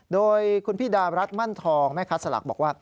โดยคุณพี่ดารัฐมั่นทองแม่ค้าสลักบอกว่า